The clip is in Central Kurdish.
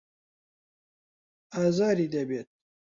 ئازاری دەبێت.